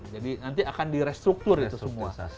jadi nanti akan direstruktur itu semua